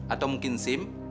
atau mungkin sim